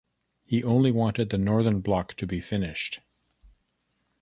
He only wanted the northern block to be finished.